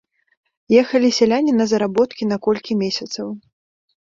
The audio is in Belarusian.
Ехалі сяляне на заработкі на колькі месяцаў.